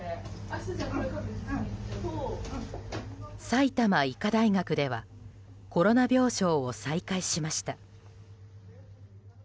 埼玉医科大学ではコロナ病床を再開しました。